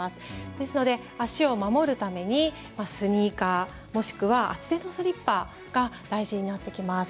ですので、足を守るためにスニーカーもしくは厚手のスリッパが大事になってきます。